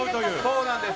そうなんです。